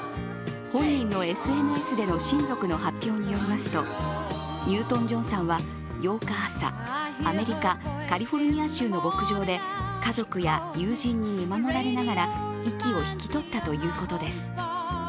本人のＳＮＳでの親族の発表によりますとニュートン＝ジョンさんは８日朝、アメリカ・カリフォルニア州の牧場で家族や友人に見守られながら息を引き取ったということです。